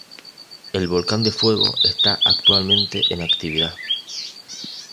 El volcán de Fuego esta actualmente en actividad.